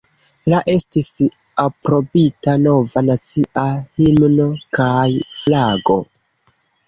La estis aprobita nova nacia himno kaj flago.